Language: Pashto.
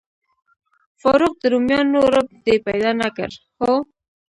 فاروق، د روميانو رب دې پیدا نه کړ؟ هو.